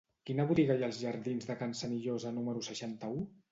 Quina botiga hi ha als jardins de Can Senillosa número seixanta-u?